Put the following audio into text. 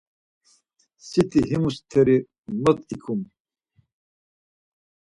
Siti himu st̆eri mot ikum.